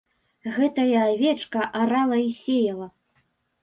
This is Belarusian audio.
Гэтая авечка арала і сеяла.